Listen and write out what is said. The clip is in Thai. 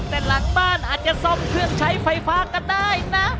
แต่หลังบ้านอาจจะซ่อมเครื่องใช้ไฟฟ้าก็ได้นะ